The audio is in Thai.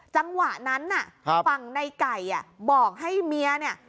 จังหวะนั้นน่ะฝั่งในไก่บอกให้เมียเนี่ย